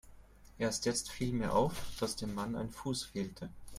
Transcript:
Erst jetzt viel mir auf, dass dem Mann ein Fuß fehlte.